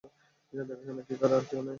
এসব দেখাশোনার কী আর কেউ নেই?